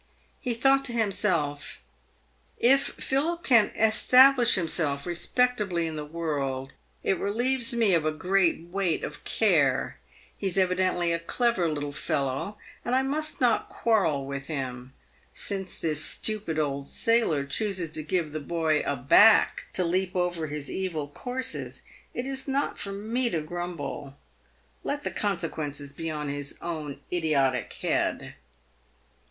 He thought to himself, " If Philip can esta blish himself respectably in the world, it relieves me of a great weight of care. He is evidently a clever little fellow, and I must not quarrel with him. Since this stupid old sailor chooses to give the boy ? a back' to leap over his evil courses, it is not for me to grumble. Let the consequences be on his own idiotic head."